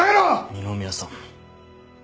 二宮さん。